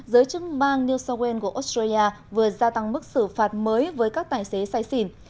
giới chứng bang new south wales của australia vừa gia tăng mức xử phạt mới với các tài xế say xỉn